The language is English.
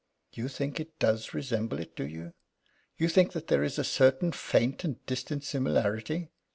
"You think it does resemble it, do you? You think that there is a certain faint and distant similarity?"